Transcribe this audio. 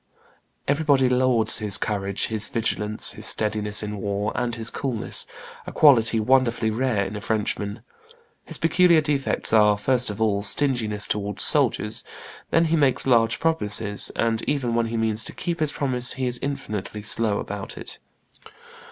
Everybody lauds his courage, his vigilance, his steadiness in war, and his coolness, a quality wonderfully rare in a Frenchman. His peculiar defects are, first of all, stinginess towards soldiers; then he makes large promises, and even when he means to keep his promise he is infinitely slow about it."